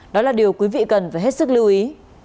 đó là điều quý vị cần phải hết sức lưu ý